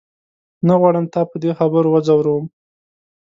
نه غواړم تا په دې خبرو وځوروم.